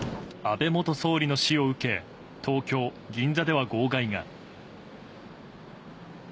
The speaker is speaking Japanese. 安倍元総理の死を受け、東京・銀座では号外が。